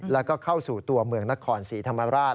แล้วก็เข้าสู่ตัวเมืองนครศรีธรรมราช